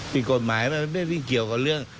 ผิดกฎหมายมันไม่ได้เกี่ยวกับเรื่อง